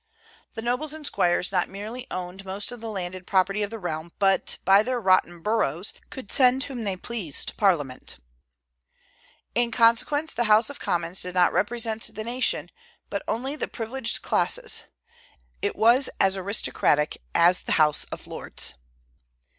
The nobles and squires not merely owned most of the landed property of the realm, but by their "rotten boroughs" could send whom they pleased to Parliament. In consequence the House of Commons did not represent the nation, but only the privileged classes. It was as aristocratic as the House of Lords.